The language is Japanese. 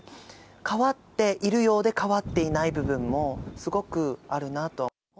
変わっているようで変わっていない部分も、すごくあるなと。